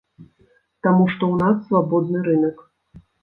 Таму што ў нас свабодны рынак.